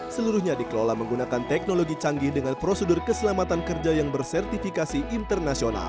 seluruhnya dikelola menggunakan teknologi canggih dengan prosedur keselamatan kerja yang bersertifikasi internasional